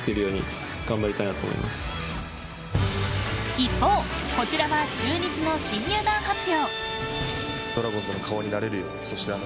一方、こちらは中日の新入団発表。